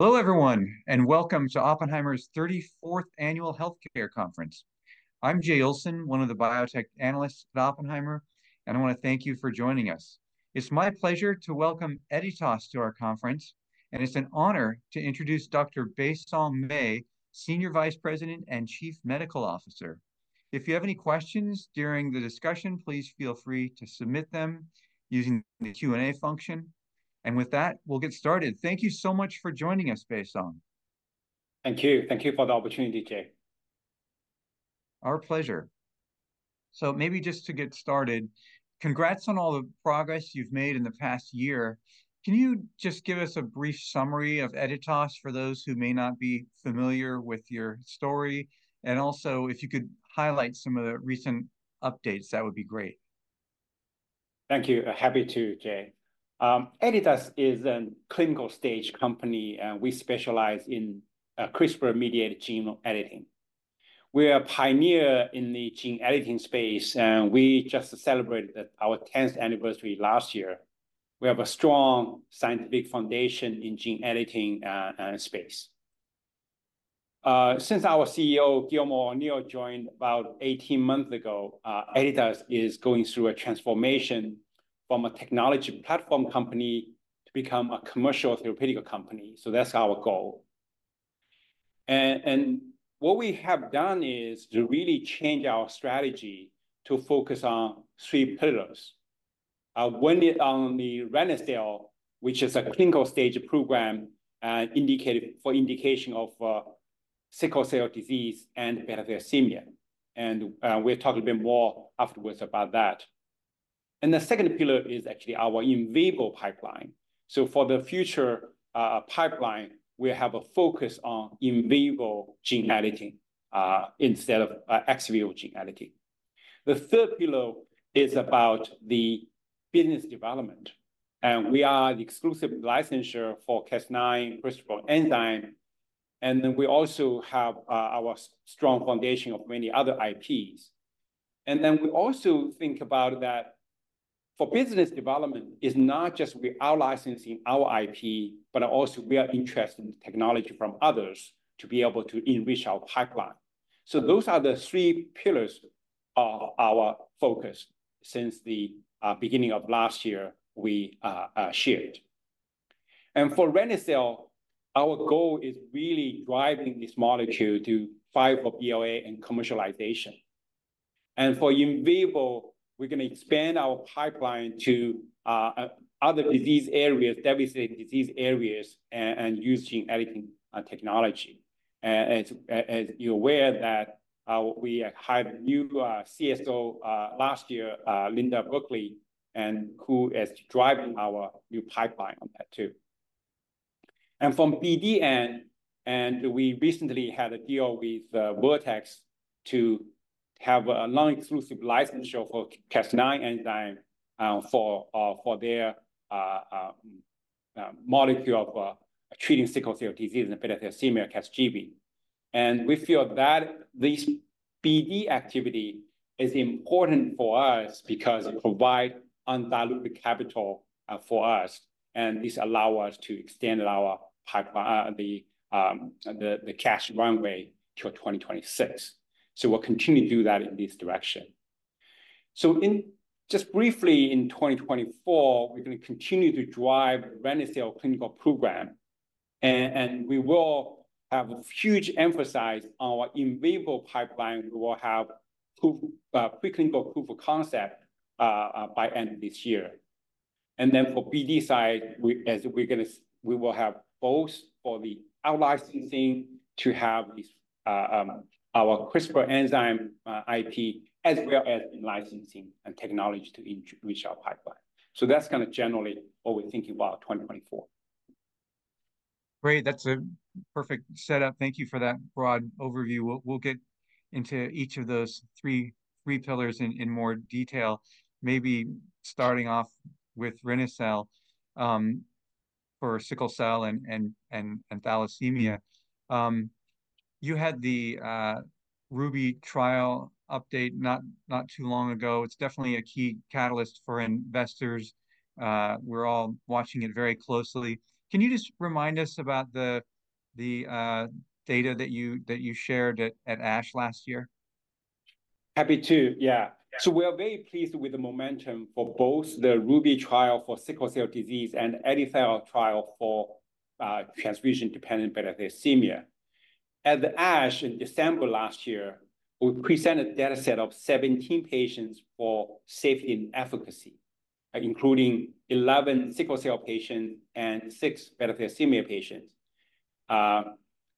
Hello everyone, and welcome to Oppenheimer's 34th Annual Healthcare Conference. I'm Jay Olson, one of the biotech analysts at Oppenheimer, and I want to thank you for joining us. It's my pleasure to welcome Editas to our conference, and it's an honor to introduce Dr. Baisong Mei, Senior Vice President and Chief Medical Officer. If you have any questions during the discussion, please feel free to submit them using the Q&A function. With that, we'll get started. Thank you so much for joining us, Baisong. Thank you. Thank you for the opportunity, Jay. Our pleasure. So maybe just to get started, congrats on all the progress you've made in the past year. Can you just give us a brief summary of Editas for those who may not be familiar with your story, and also if you could highlight some of the recent updates, that would be great. Thank you. Happy to, Jay. Editas is a clinical stage company, and we specialize in CRISPR-mediated gene editing. We are a pioneer in the gene editing space, and we just celebrated our 10th anniversary last year. We have a strong scientific foundation in gene editing space. Since our CEO, Gilmore O'Neill, joined about 18 months ago, Editas is going through a transformation from a technology platform company to become a commercial therapeutic company. So that's our goal. And what we have done is to really change our strategy to focus on three pillars. One is on the reni-cel, which is a clinical stage program for indication of sickle cell disease and beta thalassemia. And we'll talk a little bit more afterwards about that. And the second pillar is actually our in Vivo pipeline.v So for the future pipeline, we have a focus on in vivo gene editing instead of ex vivo gene editing. The third pillar is about the business development. We are the exclusive licensure for Cas9 CRISPR enzyme. We also have our strong foundation of many other IPs. We also think about that for business development, it's not just we are licensing our IP, but also we are interested in technology from others to be able to enrich our pipeline. So those are the three pillars of our focus since the beginning of last year we shared. For reni-cel, our goal is really driving this molecule to file for BLA and commercialization. For in vivo, we're going to expand our pipeline to other disease areas, different disease areas, and using editing technology. As you're aware that we had a new CSO last year, Linda Burkly, who is driving our new pipeline on that too. From BD end, we recently had a deal with Vertex to have a non-exclusive licensure for Cas9 enzyme for their molecule of treating sickle cell disease and beta thalassemia, CASGEVY. We feel that this BD activity is important for us because it provides non-dilutive capital for us, and this allows us to extend the cash runway till 2026. We'll continue to do that in this direction. Just briefly, in 2024, we're going to continue to drive reni-cel clinical program. We will have a huge emphasis on our in vivo pipeline. We will have pre-clinical proof of concept by the end of this year. And then for BD side, we will have both for the outlicensing to have our CRISPR enzyme IP as well as licensing and technology to enrich our pipeline. So that's kind of generally what we're thinking about 2024. Great. That's a perfect setup. Thank you for that broad overview. We'll get into each of those three pillars in more detail, maybe starting off with reni-cel for sickle cell and thalassemia. You had the RUBY trial update not too long ago. It's definitely a key catalyst for investors. We're all watching it very closely. Can you just remind us about the data that you shared at ASH last year? Happy to. Yeah. So we are very pleased with the momentum for both the RUBY trial for sickle cell disease and EdiTHAL trial for transfusion-dependent beta thalassemia. At the ASH in December last year, we presented a data set of 17 patients for safety and efficacy, including 11 sickle cell patients and six beta thalassemia patients.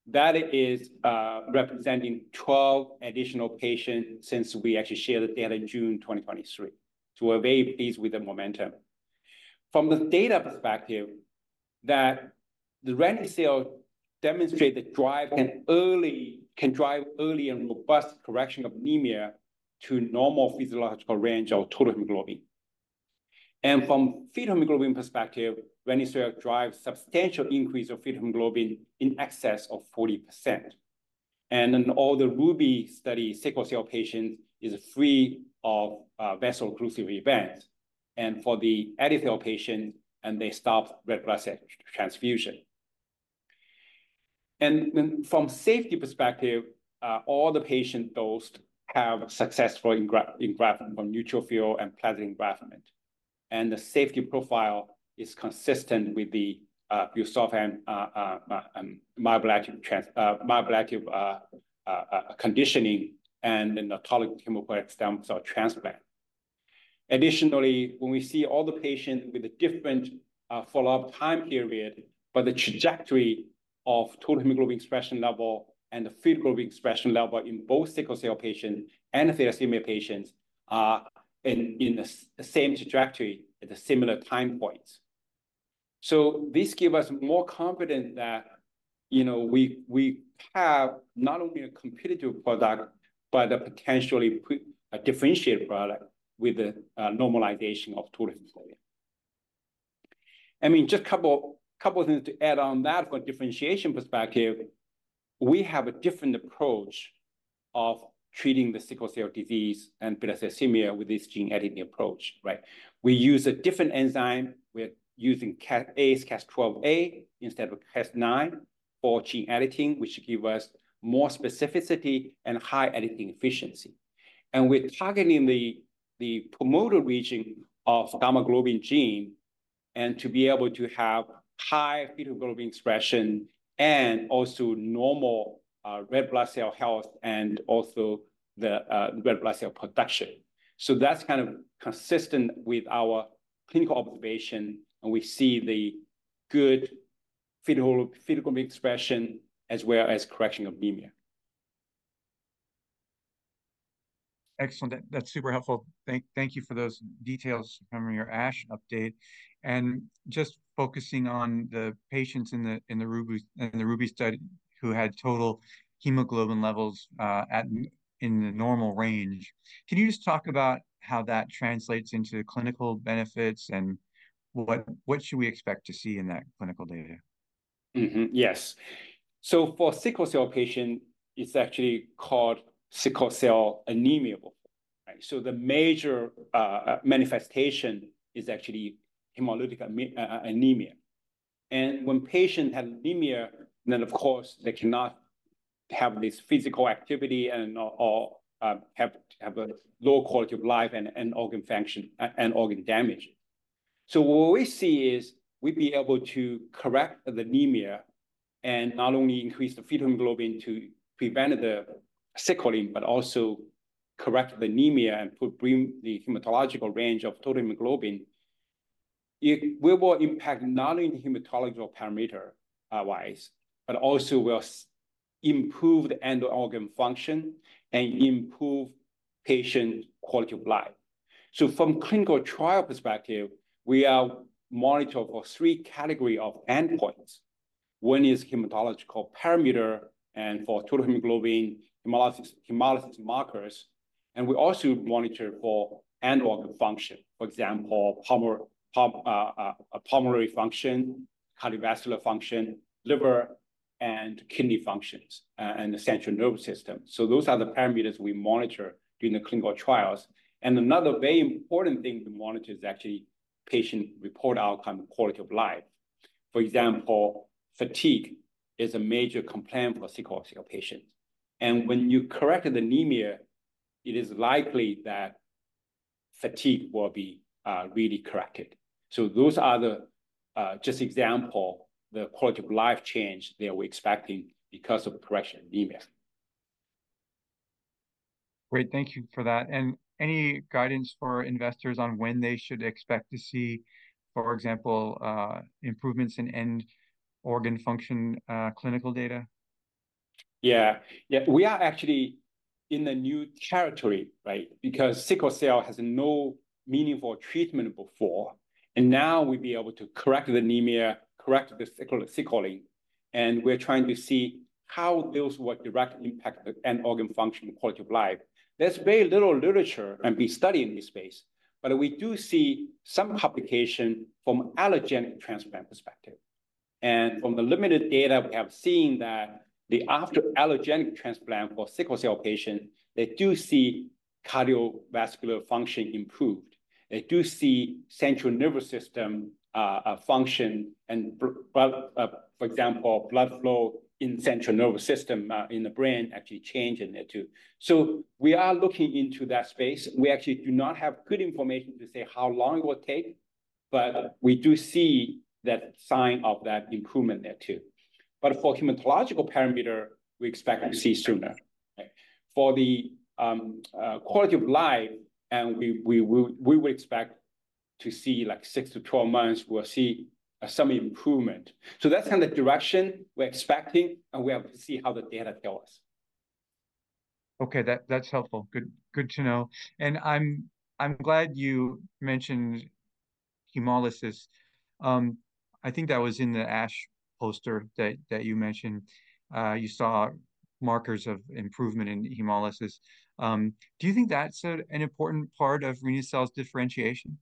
That is representing 12 additional patients since we actually shared the data in June 2023. So we're very pleased with the momentum. From the data perspective, the reni-cel demonstrated the drive can drive early and robust correction of anemia to normal physiological range of total hemoglobin. And from fetal hemoglobin perspective, reni-cel drives substantial increase of fetal hemoglobin in excess of 40%. And in all the RUBY study, sickle cell patients are free of vaso-occlusive events. And for the EdiTHAL patients, they stop red blood cell transfusion. Then from a safety perspective, all the patients dosed have successful neutrophil and platelet engraftment. The safety profile is consistent with the busulfan myeloablative conditioning and an autologous hematopoietic stem cell transplant. Additionally, when we see all the patients with a different follow-up time period. But the trajectory of total hemoglobin expression level and the fetal globin expression level in both sickle cell patients and thalassemia patients are in the same trajectory at similar time points. So this gives us more confidence that we have not only a competitive product, but a potentially differentiated product with the normalization of total hemoglobin. I mean, just a couple of things to add on that from a differentiation perspective. We have a different approach of treating the sickle cell disease and beta thalassemia with this gene editing approach, right? We use a different enzyme. We're using AsCas12a, Cas12a instead of Cas9 for gene editing, which gives us more specificity and high editing efficiency. We're targeting the promoter region of the gamma-globin gene and to be able to have high fetal globin expression and also normal red blood cell health and also the red blood cell production. That's kind of consistent with our clinical observation, and we see the good fetal globin expression as well as correction of anemia. Excellent. That's super helpful. Thank you for those details from your ASH update. Just focusing on the patients in the RUBY study who had total hemoglobin levels in the normal range, can you just talk about how that translates into clinical benefits and what should we expect to see in that clinical data? Yes. So for sickle cell patients, it's actually called sickle cell anemia before, right? So the major manifestation is actually hemolytic anemia. And when patients have anemia, then of course they cannot have this physical activity and/or have a low quality of life and organ function and organ damage. So what we see is we'd be able to correct the anemia and not only increase the fetal hemoglobin to prevent the sickling, but also correct the anemia and bring the hematological range of total hemoglobin. We will impact not only the hematological parameter-wise, but also we'll improve the end-organ function and improve patient quality of life. So from a clinical trial perspective, we are monitoring for three categories of endpoints. One is hematological parameter and for total hemoglobin hemolysis markers. We also monitor for end-organ function, for example, pulmonary function, cardiovascular function, liver and kidney functions, and the central nervous system. Those are the parameters we monitor during the clinical trials. Another very important thing we monitor is actually patient-reported outcome and quality of life. For example, fatigue is a major complaint for sickle cell patients. When you correct the anemia, it is likely that fatigue will be really corrected. Those are just examples of the quality of life change that we're expecting because of correction of anemia. Great. Thank you for that. Any guidance for investors on when they should expect to see, for example, improvements in end organ function clinical data? Yeah. Yeah. We are actually in the new territory, right? Because sickle cell has no meaningful treatment before. And now we'd be able to correct the anemia, correct the sickling. And we're trying to see how those would directly impact end organ function and quality of life. There's very little literature being studied in this space. But we do see some publication from an allogeneic transplant perspective. And from the limited data we have seen that after allogeneic transplant for sickle cell patients, they do see cardiovascular function improved. They do see central nervous system function and, for example, blood flow in the central nervous system in the brain actually changing there too. So we are looking into that space. We actually do not have good information to say how long it will take. But we do see that sign of that improvement there too. But for hematological parameter, we expect to see sooner. For the quality of life, we would expect to see like 6-12 months, we'll see some improvement. So that's kind of the direction we're expecting, and we have to see how the data tells us. Okay. That's helpful. Good to know. And I'm glad you mentioned hemolysis. I think that was in the ASH poster that you mentioned. You saw markers of improvement in hemolysis. Do you think that's an important part of reni-cel's differentiation?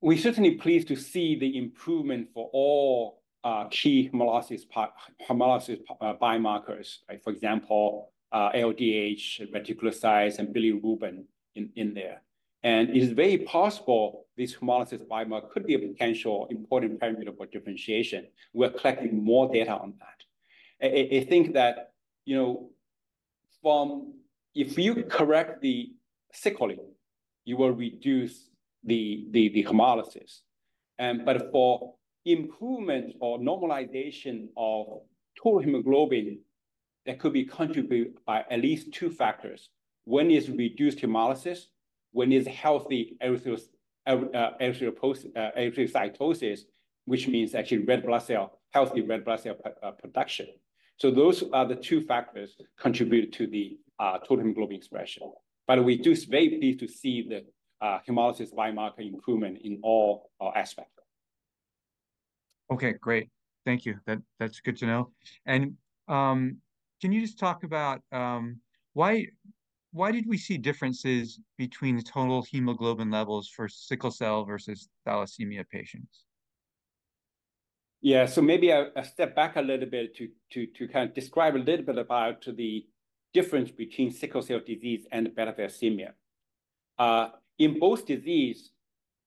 We're certainly pleased to see the improvement for all key hemolysis biomarkers, for example, LDH, reticulocytes, and bilirubin in there. And it is very possible this hemolysis biomarker could be a potential important parameter for differentiation. We're collecting more data on that. I think that, you know, from if you correct the sickling, you will reduce the hemolysis. But for improvement or normalization of total hemoglobin, that could be contributed by at least two factors. One is reduced hemolysis. One is healthy erythrocytosis, which means actually red blood cell, healthy red blood cell production. So those are the two factors contributing to the total hemoglobin expression. But we're just very pleased to see the hemolysis biomarker improvement in all aspects. Okay. Great. Thank you. That's good to know. Can you just talk about why did we see differences between total hemoglobin levels for sickle cell versus thalassemia patients? Yeah. So maybe I'll step back a little bit to kind of describe a little bit about the difference between sickle cell disease and beta thalassemia. In both diseases,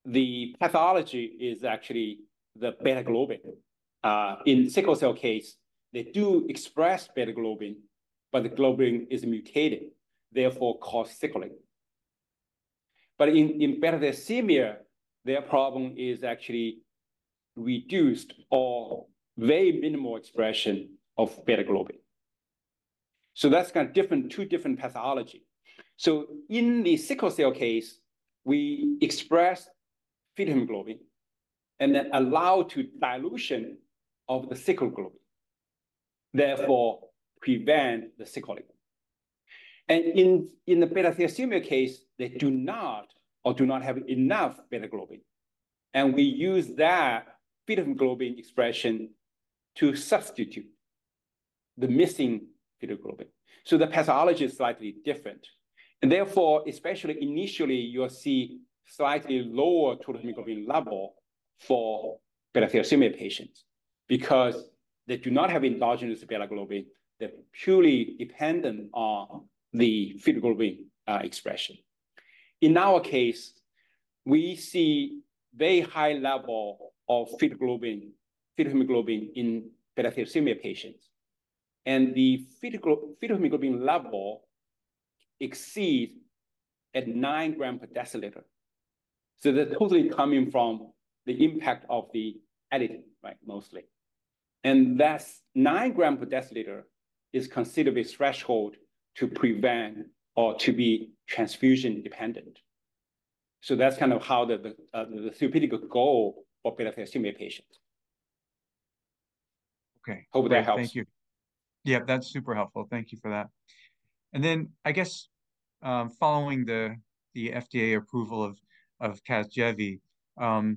the pathology is actually the beta globin. In sickle cell cases, they do express beta globin, but the globin is mutated, therefore causes sickling. But in beta thalassemia, their problem is actually reduced or very minimal expression of beta globin. So that's kind of two different pathologies. So in the sickle cell case, we express fetal hemoglobin and then allow dilution of the sickle globin. Therefore, prevent the sickling. And in the beta thalassemia case, they do not or do not have enough beta globin. And we use that fetal hemoglobin expression to substitute the missing fetal globin. So the pathology is slightly different. Therefore, especially initially, you'll see slightly lower total hemoglobin level for beta thalassemia patients because they do not have endogenous beta globin. They're purely dependent on the fetal globin expression. In our case, we see very high levels of fetal globin, fetal hemoglobin in beta thalassemia patients. The fetal hemoglobin level exceeds 9 grams per deciliter. So they're totally coming from the impact of the editing, right, mostly. That 9 grams per deciliter is considered a threshold to prevent or to be transfusion dependent. So that's kind of how the therapeutic goal for beta thalassemia patients. Okay. Hope that helps. Thank you. Yeah, that's super helpful. Thank you for that. And then I guess following the FDA approval of CASGEVY, how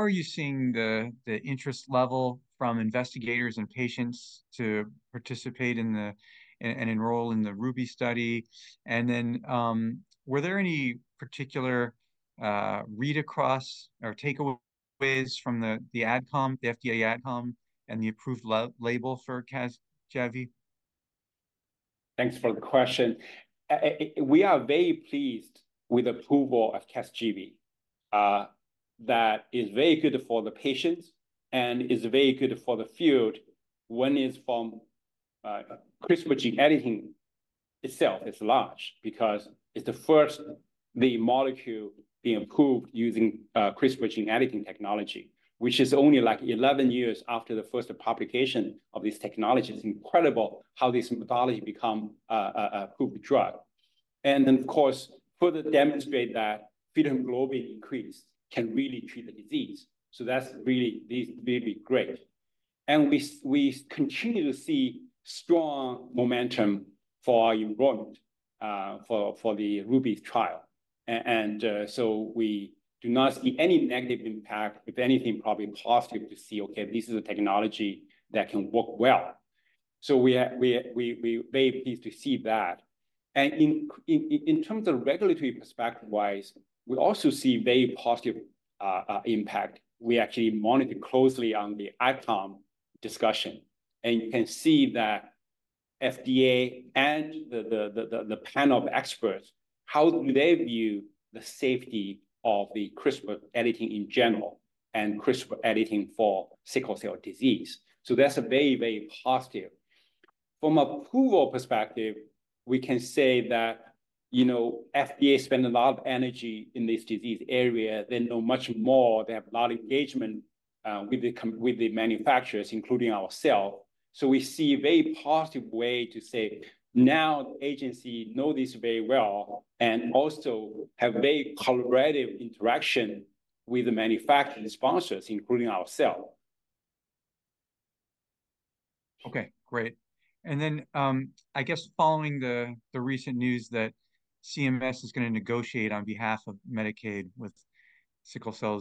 are you seeing the interest level from investigators and patients to participate in and enroll in the RUBY study? And then were there any particular read-across or takeaways from the FDA AdCom and the approved label for CASGEVY? Thanks for the question. We are very pleased with the approval of CASGEVY. That is very good for the patients and is very good for the field. One is from CRISPR editing itself is large because it's the first molecule being approved using CRISPR editing technology, which is only like 11 years after the first publication of this technology. It's incredible how this methodology becomes an approved drug. And then, of course, further demonstrate that fetal hemoglobin increase can really treat the disease. So that's really this will be great. And we continue to see strong momentum for our enrollment for the RUBY trial. And so we do not see any negative impact, if anything, probably positive to see, okay, this is a technology that can work well. So we're very pleased to see that. And in terms of regulatory perspective-wise, we also see very positive impact. We actually monitor closely on the AdCom discussion. You can see that FDA and the panel of experts, how do they view the safety of the CRISPR editing in general and CRISPR editing for Sickle cell disease? That's very, very positive. From an approval perspective, we can say that, you know, FDA spent a lot of energy in this disease area. They know much more. They have a lot of engagement with the manufacturers, including ourselves. We see a very positive way to say now the agency knows this very well and also have very collaborative interaction with the manufacturing sponsors, including ourselves. Okay. Great. And then I guess following the recent news that CMS is going to negotiate on behalf of Medicaid with sickle cell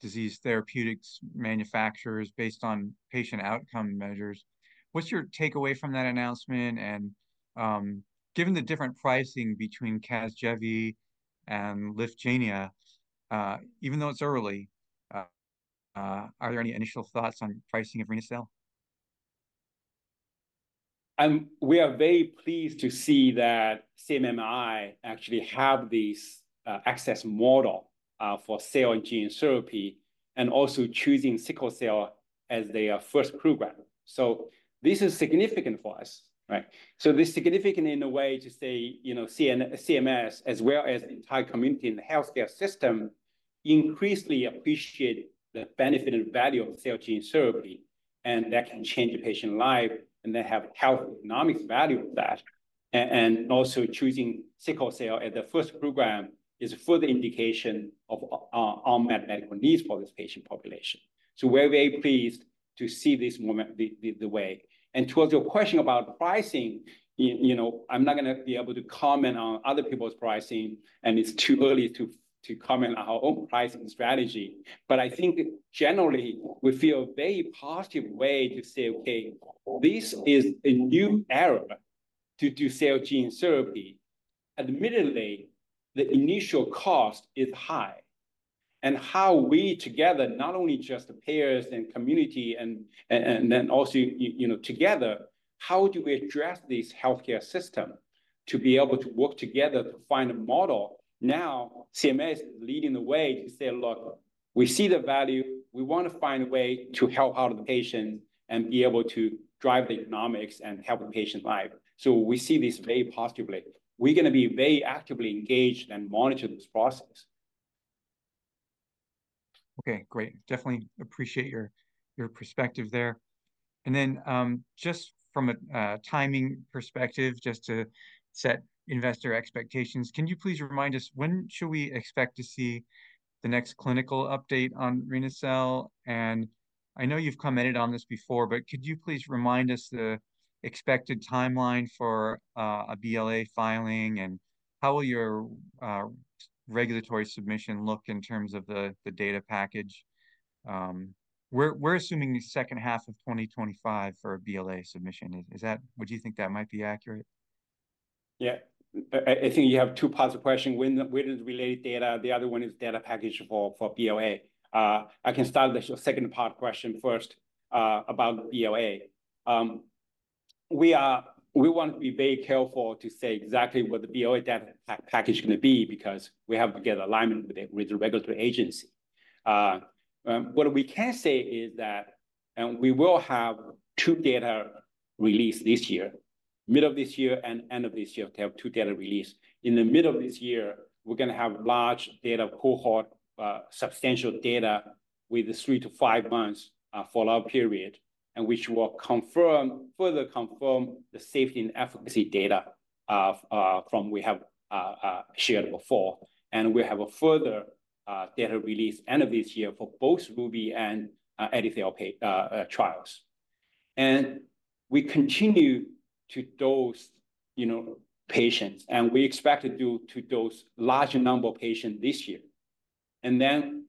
disease therapeutics manufacturers based on patient outcome measures. What's your takeaway from that announcement? And given the different pricing between CASGEVY and Lyfgenia, even though it's early, are there any initial thoughts on pricing of reni-cel? We are very pleased to see that CMMI actually has this access model for cell and gene therapy and also choosing sickle cell as their first program. So this is significant for us, right? So this is significant in a way to say, you know, CMS as well as the entire community in the healthcare system increasingly appreciate the benefit and value of cell gene therapy. And that can change a patient's life and they have health economic value of that. And also choosing sickle cell as the first program is further indication of our medical needs for this patient population. So we're very pleased to see this the way. And towards your question about pricing, you know, I'm not going to be able to comment on other people's pricing and it's too early to comment on our own pricing strategy. But I think generally, we feel a very positive way to say, okay, this is a new era to do cell gene therapy. Admittedly, the initial cost is high. And how we together, not only just the parents and community and then also, you know, together, how do we address this healthcare system to be able to work together to find a model? Now, CMS is leading the way to say, look, we see the value. We want to find a way to help out the patients and be able to drive the economics and help the patient's life. So we see this very positively. We're going to be very actively engaged and monitor this process. Okay. Great. Definitely appreciate your perspective there. And then just from a timing perspective, just to set investor expectations, can you please remind us when should we expect to see the next clinical update on reni-cel? And I know you've commented on this before, but could you please remind us the expected timeline for a BLA filing and how will your regulatory submission look in terms of the data package? We're assuming the second half of 2025 for a BLA submission. Would you think that might be accurate? Yeah. I think you have two positive questions. One is related data. The other one is data package for BLA. I can start the second part question first about BLA. We want to be very careful to say exactly what the BLA data package is going to be because we have to get alignment with the regulatory agency. What we can say is that we will have two data releases this year. Middle of this year and end of this year, we have two data releases. In the middle of this year, we're going to have large data cohort, substantial data with three to five months follow-up period, and which will further confirm the safety and efficacy data from what we have shared before. And we'll have a further data release end of this year for both RUBY and EdiTHAL trials. We continue to dose, you know, patients, and we expect to dose a large number of patients this year. Then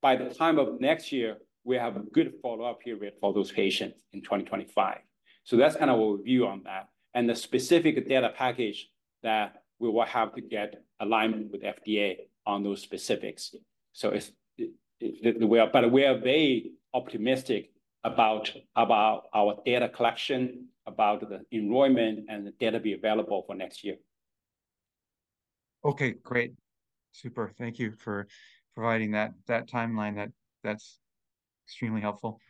by the time of next year, we have a good follow-up period for those patients in 2025. So that's kind of our view on that and the specific data package that we will have to get alignment with the FDA on those specifics. So we are very optimistic about our data collection, about the enrollment, and the data being available for next year. Okay. Great. Super. Thank you for providing that timeline. That's extremely helpful.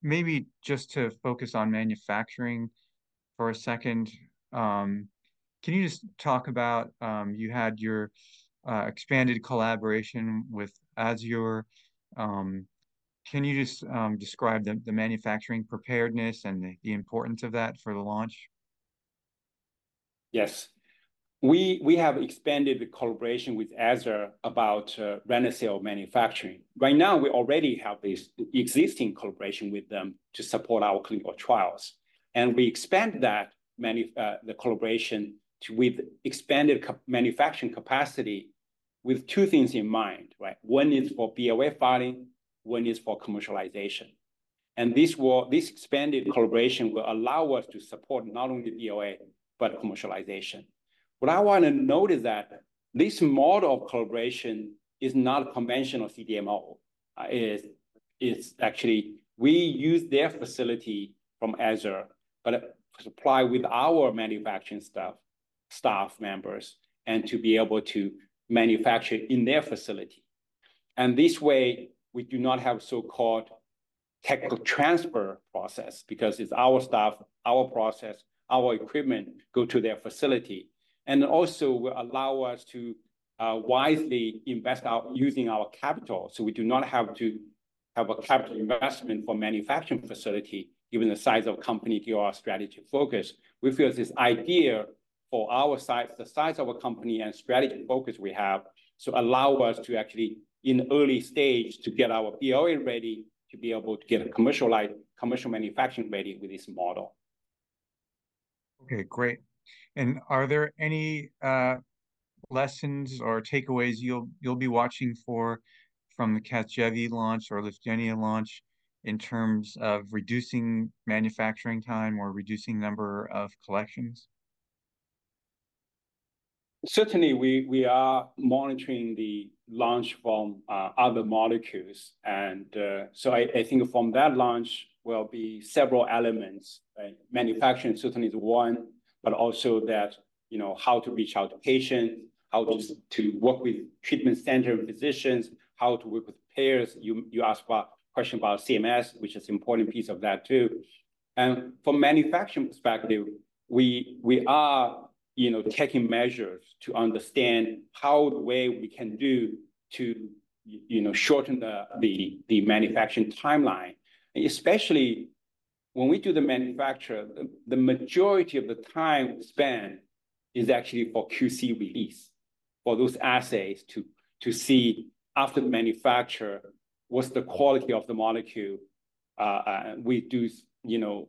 Maybe just to focus on manufacturing for a second. Can you just talk about you had your expanded collaboration with Azzur? Can you just describe the manufacturing preparedness and the importance of that for the launch? Yes. We have expanded the collaboration with Azzur about reni-cel manufacturing. Right now, we already have this existing collaboration with them to support our clinical trials. And we expanded that collaboration with expanded manufacturing capacity with two things in mind, right? One is for BLA filing. One is for commercialization. And this expanded collaboration will allow us to support not only BLA, but commercialization. What I want to note is that this model of collaboration is not a conventional CDMO. It's actually we use their facility from Azzur, but supply with our manufacturing staff members and to be able to manufacture in their facility. And this way, we do not have a so-called technical transfer process because it's our staff, our process, our equipment go to their facility. And also, we allow us to wisely invest using our capital. So, we do not have to have a capital investment for a manufacturing facility, given the size of the company and our strategy focus. We feel this is ideal for our size, the size of our company and strategy focus we have, so it allows us to actually in early stage to get our BLA ready to be able to get a commercial manufacturing ready with this model. Okay. Great. And are there any lessons or takeaways you'll be watching for from the CASGEVY launch or Lyfgenia launch in terms of reducing manufacturing time or reducing number of collections? Certainly, we are monitoring the launch from other molecules. So I think from that launch will be several elements. Manufacturing certainly is one, but also that, you know, how to reach out to patients, how to work with treatment center physicians, how to work with payers. You asked a question about CMS, which is an important piece of that too. From a manufacturing perspective, we are, you know, taking measures to understand how the way we can do to, you know, shorten the manufacturing timeline. Especially when we do the manufacture, the majority of the time spent is actually for QC release. For those assays to see after manufacture, what's the quality of the molecule? We do, you know,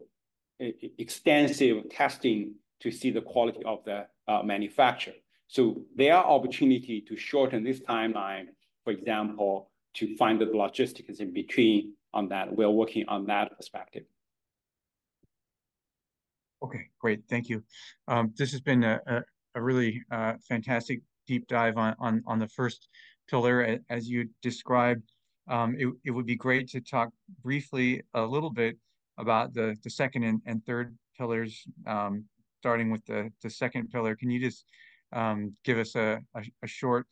extensive testing to see the quality of the manufacture. So there are opportunities to shorten this timeline, for example, to find the logistics in between on that. We're working on that perspective. Okay. Great. Thank you. This has been a really fantastic deep dive on the first pillar. As you described, it would be great to talk briefly a little bit about the second and third pillars, starting with the second pillar. Can you just give us a short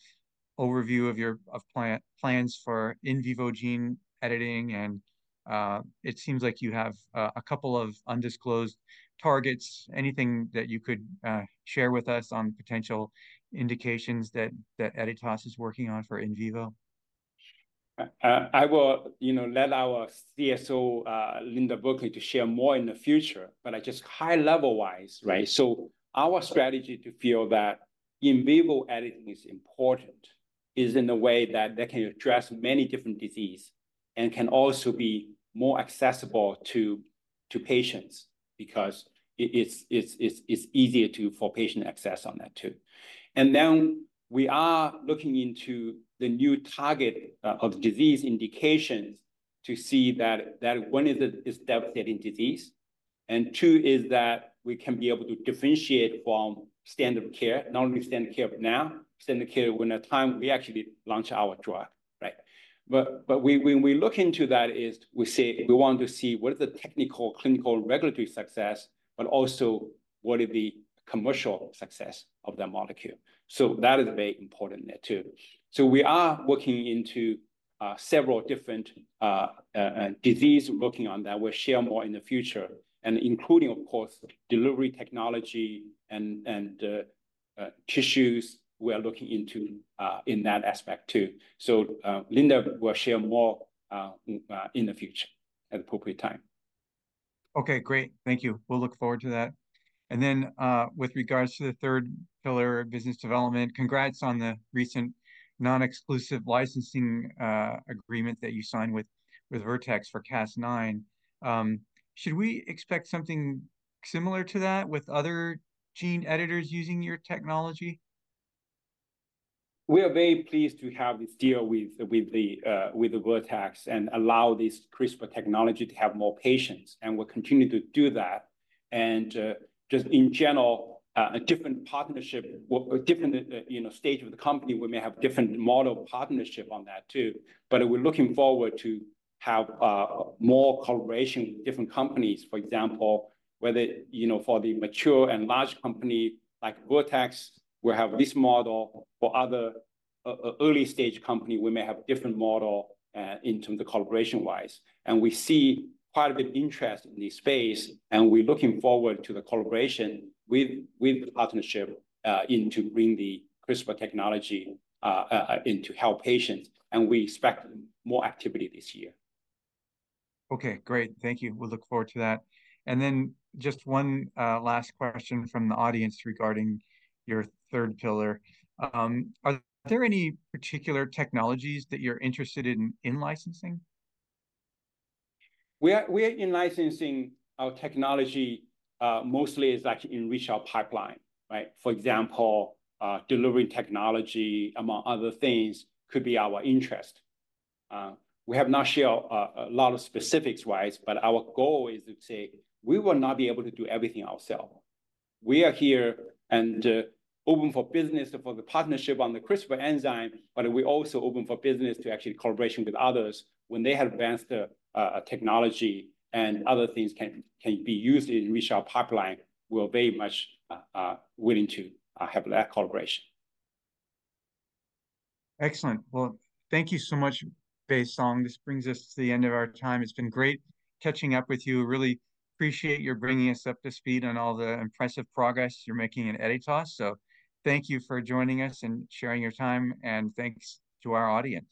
overview of your plans for in vivo gene editing? And it seems like you have a couple of undisclosed targets. Anything that you could share with us on potential indications that Editas is working on for in vivo? I will, you know, let our CSO, Linda Burkly, to share more in the future, but I just high-level-wise, right? So our strategy to feel that in vivo editing is important is in a way that they can address many different diseases and can also be more accessible to patients because it's easier for patients to access on that too. And then we are looking into the new target of disease indications to see that one is a deficit in disease. And two is that we can be able to differentiate from standard care, not only standard care now, standard care when the time we actually launch our drug, right? But when we look into that is we say we want to see what is the technical, clinical, regulatory success, but also what is the commercial success of that molecule. So that is very important there too. We are working into several different diseases working on that. We'll share more in the future. Including, of course, delivery technology and tissues, we are looking into in that aspect too. Linda will share more in the future at the appropriate time. Okay. Great. Thank you. We'll look forward to that. And then with regards to the third pillar of business development, congrats on the recent non-exclusive licensing agreement that you signed with Vertex for Cas9. Should we expect something similar to that with other gene editors using your technology? We are very pleased to have this deal with the Vertex and allow this CRISPR technology to have more patients. And we'll continue to do that. And just in general, a different partnership, a different, you know, stage of the company, we may have a different model partnership on that too. But we're looking forward to have more collaboration with different companies, for example, whether, you know, for the mature and large company like Vertex, we'll have this model. For other early-stage companies, we may have a different model in terms of collaboration-wise. And we see quite a bit of interest in this space. And we're looking forward to the collaboration with the partnership to bring the CRISPR technology in to help patients. And we expect more activity this year. Okay. Great. Thank you. We'll look forward to that. Then just one last question from the audience regarding your third pillar. Are there any particular technologies that you're interested in licensing? We are in licensing our technology. Mostly is actually inrich our pipeline, right? For example, delivering technology, among other things, could be our interest. We have not shared a lot of specifics-wise, but our goal is to say we will not be able to do everything ourselves. We are here and open for business for the partnership on the CRISPR enzyme, but we're also open for business to actually collaboration with others. When they have advanced technology and other things can be used inrich our pipeline, we're very much willing to have that collaboration. Excellent. Well, thank you so much, Baisong. This brings us to the end of our time. It's been great catching up with you. Really appreciate your bringing us up to speed on all the impressive progress you're making at Editas. So thank you for joining us and sharing your time, and thanks to our audience.